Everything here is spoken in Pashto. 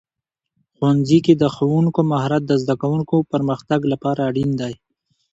ښوونځي کې د ښوونکو مهارت د زده کوونکو پرمختګ لپاره اړین دی.